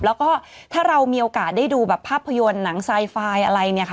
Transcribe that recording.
แล้วก็ถ้าเรามีโอกาสได้ดูภาพยนต์หนังไซม์ฟายอะไร